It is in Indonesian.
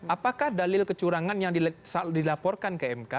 apakah dalil kecurangan yang dilaporkan ke mk